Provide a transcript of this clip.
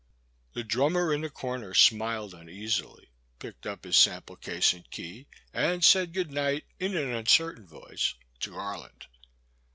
The drununer in the comer smiled uneasily, picked up his sample case and key, and said good night in an uncertain voice to Garland.